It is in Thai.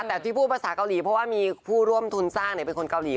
แต่ที่พูดภาษาเกาหลีเพราะว่ามีผู้ร่วมทุนสร้างเป็นคนเกาหลี